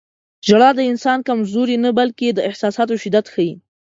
• ژړا د انسان کمزوري نه، بلکې د احساساتو شدت ښيي.